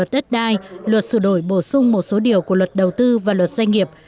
luật đất đai luật sửa đổi bổ sung một số điều của luật đầu tư và luật doanh nghiệp